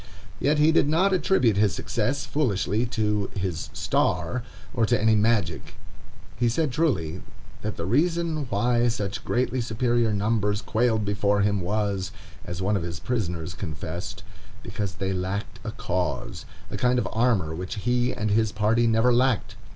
Yet he did not attribute his success, foolishly, to "his star," or to any magic. He said, truly, that the reason why such greatly superior numbers quailed before him was, as one of his prisoners confessed, because they lacked a cause—a kind of armor which he and his party never lacked.